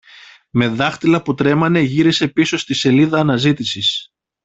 Με δάχτυλα που τρέμανε γύρισε πίσω στη σελίδα αναζήτησης